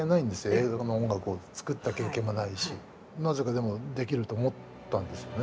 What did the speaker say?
映画の音楽を作った経験がないしなぜかでもできると思ったんですよね